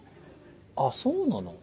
あぁそうなの？